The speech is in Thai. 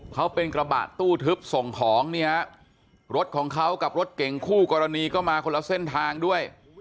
เขาเป็นกระบะตู้ทึบส่งของเนี่ยรถของเขากับรถเก่งคู่กรณีก็มาคนละเส้นทางด้วย